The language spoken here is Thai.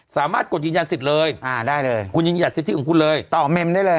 สามารถกดยืนยันสิทธิ์เลยคุณยืนยันสิทธิ์ของคุณเลยต่อเมมได้เลย